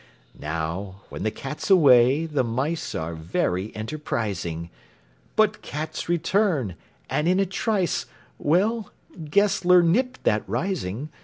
Now, when the cat's away, the mice Are very enterprising, But cats return, and, in a trice Well, Gessler nipped that rising.